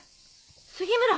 杉村。